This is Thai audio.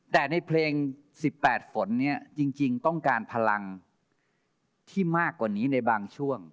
แต่ในเพลง๑๘ฝนเนี่ยจริงต้องการพลังที่มากกว่านี้ในบางช่วง